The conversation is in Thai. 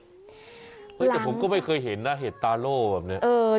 แต่ผมก็ไม่เคยเห็นนะเห็ดตาโล่แบบนี้